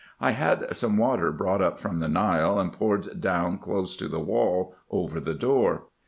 I had some water brought up from the Nile, and poured down close to the wall over the door.